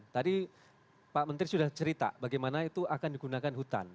tadi pak menteri sudah cerita bagaimana itu akan digunakan hutan